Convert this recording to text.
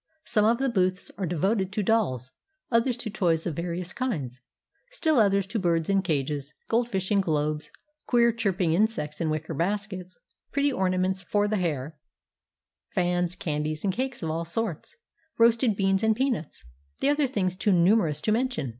Some of the booths are devoted to dolls; others to toys of various kinds; still others to birds in cages, goldfish in globes, queer chirp ing insects in wicker baskets, pretty ornaments for the hair, fans, candies, and cakes of all sorts, roasted beans and peanuts, and other things too numerous to mention.